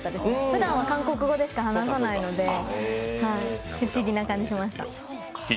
ふだんは韓国語でしか話さないので不思議な感じしました。